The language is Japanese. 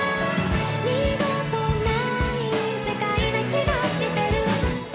「二度とない世界な気がしてる」